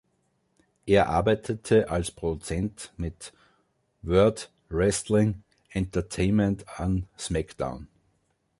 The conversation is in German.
Er arbeitete als Produzent mit Word Wrestling Entertainment an SmackDown.